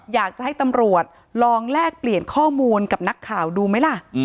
อยากจะให้ตำรวจลองแลกเปลี่ยนข้อมูลกับนักข่าวดูไหมล่ะ